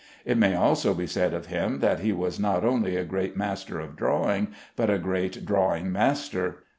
It may also be said of him, that he was not only a great master of drawing, but a great drawing master.